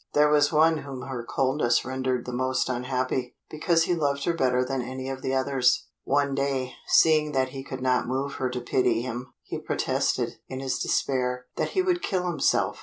There was one whom her coldness rendered the most unhappy, because he loved her better than any of the others. One day, seeing that he could not move her to pity him, he protested, in his despair, that he would kill himself.